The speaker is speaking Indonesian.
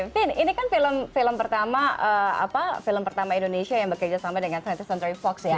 fin ini kan film pertama indonesia yang bekerja sama dengan smp